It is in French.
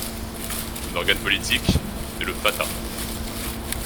Son organe politique est le Fatah.